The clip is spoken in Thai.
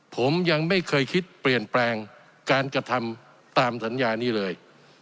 ผมยังไม่เคยคิดเปลี่ยนแปลงการกระทำตามสัญญานี้เลย